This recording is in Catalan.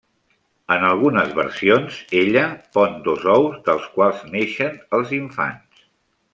En algunes versions, ella pon dos ous dels quals naixen els infants.